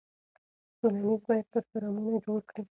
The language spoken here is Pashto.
تلویزیون باید پروګرامونه جوړ کړي.